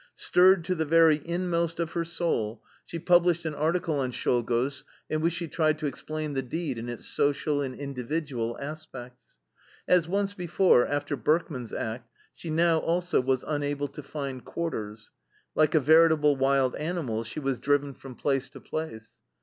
Stirred to the very inmost of her soul, she published an article on Czolgosz in which she tried to explain the deed in its social and individual aspects. As once before, after Berkman's act, she now also was unable to find quarters; like a veritable wild animal she was driven from place to place.